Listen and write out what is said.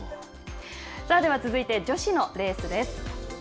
さあ、では、続いて、女子のレースです。